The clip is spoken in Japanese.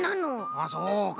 あそうか！